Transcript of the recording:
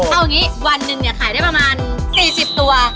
เอาอย่างนี้วันหนึ่งเนี่ยขายได้ประมาณ๔๐ตัว